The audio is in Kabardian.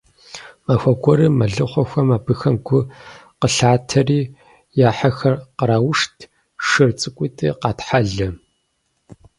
Махуэ гуэрым мэлыхъуэхэм абыхэм гу къылъатэри, я хьэхэр къраушт, шыр цӀыкӀуитӀыр къатхьэлэ.